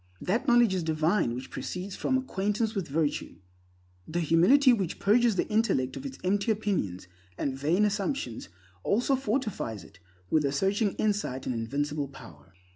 That knowledge is divine which proceeds from acquaintance with virtue. The humility which purges the intellect of its empty opinions and vain assumptions also fortifies it with a searching insight and invincible power.